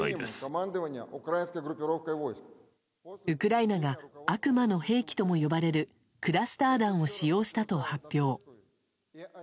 ウクライナが悪魔の兵器とも呼ばれるクラスター弾を使用したと発表。